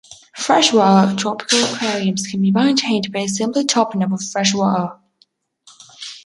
Freshwater tropical aquariums can be maintained by simply topping up with fresh water.